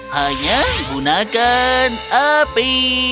hanya gunakan api